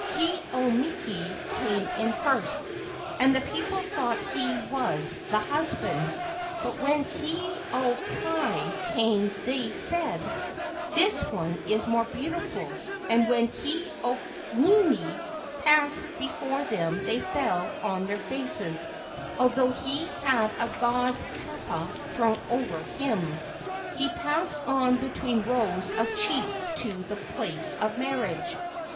Ke au miki came in first and the people thought he was the husband, but when Ke au kai came they said, "This one is more beautiful," and when Ke au nini passed before them they fell on their faces, although he had a gauze kapa thrown over him. He passed on between rows of chiefs to the place of marriage.